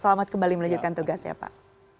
selamat kembali melanjutkan tugas ya pak